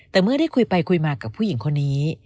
แต่เมื่อได้คุยไปคุยมากับผู้หญิงคนนี้